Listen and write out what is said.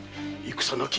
戦なき